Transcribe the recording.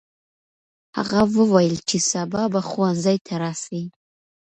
هغه وویل چې سبا به ښوونځي ته راسي.